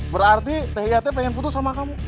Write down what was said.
berarti teh iya pengen putus sama kamu